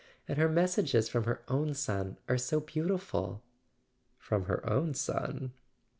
And her messages from her own son are so beautiful " "From her own son?"